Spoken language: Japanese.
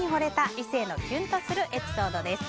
異性のキュンとするエピソードです。